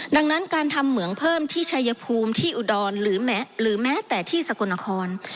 ดังนั้นการทำเหมืองเพิ่มที่ชัยภูมิที่อุดรหรือแม้แต่ที่สกลนคร